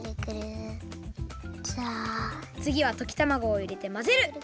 つぎはときたまごをいれてまぜる！